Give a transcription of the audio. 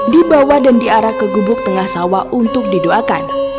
dibawa dan diarah ke gubuk tengah sawah untuk didoakan